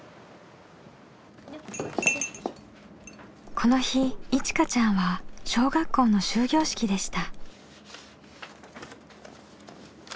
この日いちかちゃんは小学校の終業式でした。